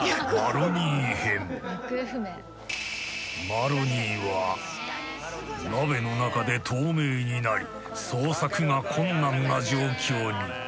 ［マロニーは鍋の中で透明になり捜索が困難な状況に］